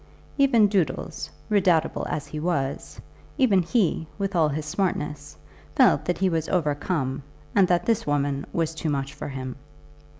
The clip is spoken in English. Even Doodles, redoubtable as he was even he, with all his smartness, felt that he was overcome, and that this woman was too much for him.